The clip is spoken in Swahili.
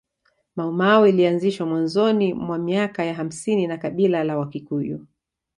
Maumau ilianzishwa mwanzoni mwa miaka ya hamsini na kabila la wakikuyu